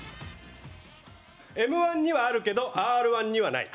Ｍ−１にはあるけどＲ−１にはない。